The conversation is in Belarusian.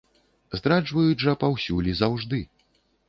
Здраджваюць жа паўсюль і заўжды.